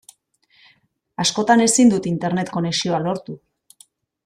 Askotan ezin dut Internet konexioa lortu.